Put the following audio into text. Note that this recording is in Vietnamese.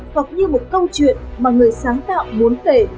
hoặc như một câu chuyện mà người sáng tạo muốn kể